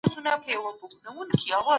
چې زخمونه پټۍ کړو.